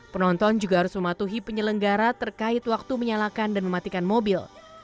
penonton juga harus mematuhi penyelenggara terkait waktu menyalakan dan mematikan mobil